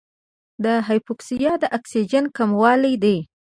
د هایپوکسیا د اکسیجن کموالی دی.